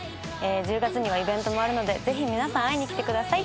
１０月にはイベントもあるのでぜひ皆さん会いに来てください。